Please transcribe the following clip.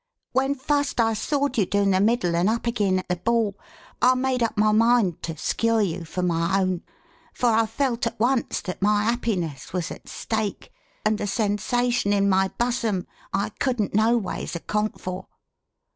wen fust i sawed yu doun the middle and up agin att the bawl i maid Up my Mind to skure you for my oan for i Felt at once that my appiness was at Steak, and a sensashun in my Bussum I coudent no ways accompt For.